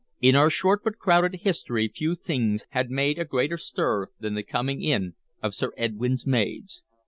In our short but crowded history few things had made a greater stir than the coming in of Sir Edwyn's maids.